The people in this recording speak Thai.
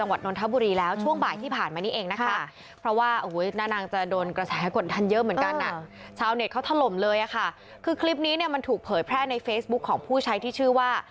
ว่ามันถูกเผยแพร่ในเฟซบุ๊คของผู้ใช้ที่ชื่อว่า